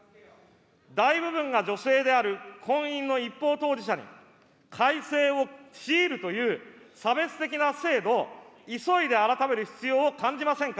大部分が女性である婚姻の一方当事者に、改姓を強いるという差別的な制度を急いで改める必要を感じませんか。